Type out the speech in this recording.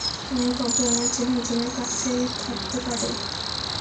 তবে আমার চেনা একজনের কাছে থাকতে পারে।